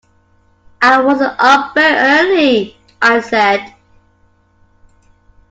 “I wasn't up very early,” I said.